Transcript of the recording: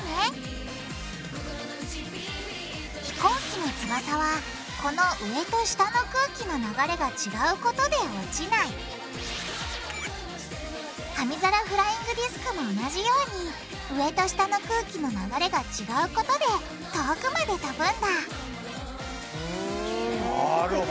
飛行機の翼はこの上と下の空気の流れが違うことで落ちない紙皿フライングディスクも同じように上と下の空気の流れが違うことで遠くまで飛ぶんだふん。